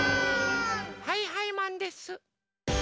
はいはいマンです！